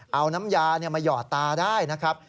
เอาน้ำยามาหยอดตาได้นะครับ